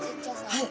はい。